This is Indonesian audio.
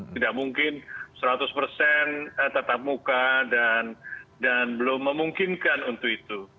tidak mungkin seratus persen tatap muka dan belum memungkinkan untuk itu